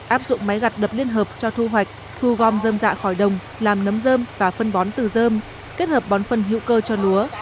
áp dụng máy gặt đập liên hợp cho thu hoạch thu gom dơm dạ khỏi đồng làm nấm dơm và phân bón từ dơm kết hợp bón phân hữu cơ cho lúa